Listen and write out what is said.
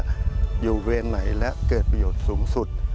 อยู่เวรไหนและเกิดประโยชน์สูงสุด